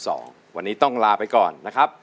สวัสดีครับ